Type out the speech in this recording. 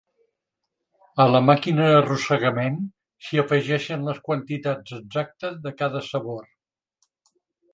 A la màquina d'arrossegament s'hi afegeixen les quantitats exactes de cada sabor.